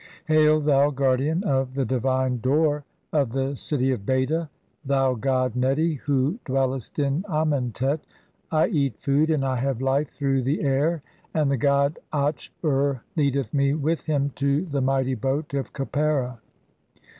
Hail, thou guardian "of the divine door of the city of Beta, thou [god] Neti (?) who "dwellest in Amentet, (5) I eat food, and I have life through "the air, and the god Atch ur leadeth me with [him] to the "mighty boat of (6) Khepera.